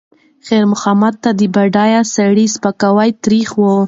خیر محمد ته د بډایه سړي سپکاوی تریخ و.